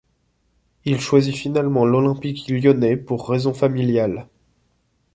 Il choisit finalement l'Olympique lyonnais pour raisons familiales.